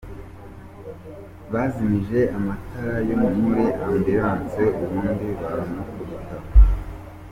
Bazimije amatara yo muri ambulance ubundi baramukubita.